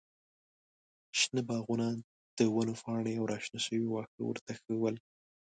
شنه باغونه، د ونو پاڼې او راشنه شوي واښه ورته ښه ول.